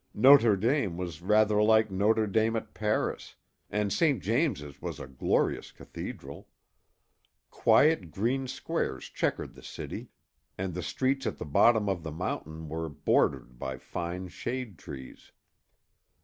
Notre Dame was rather like Notre Dame at Paris and St. James's was a glorious cathedral. Quiet green squares checkered the city, and the streets at the bottom of the mountain were bordered by fine shade trees.